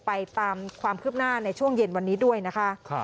ไปตามความคืบหน้าในช่วงเย็นวันนี้ด้วยนะคะ